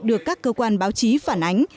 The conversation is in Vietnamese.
được các cơ quan báo chí phản ánh